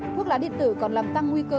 thuốc lá điện tử còn làm tăng nguy cơ